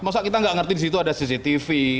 masa kita nggak ngerti disitu ada cctv